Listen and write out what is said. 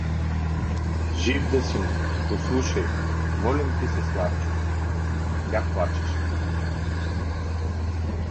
Жив да си ми, послушай, молим ти се, Славчо… И тя плачеше.